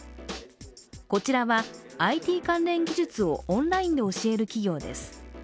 こちらは、ＩＴ関連技術をオンラインで教える企業です。